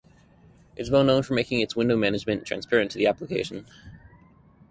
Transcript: It is well known for making its window management transparent to the application.